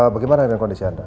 bagaimana dengan kondisi anda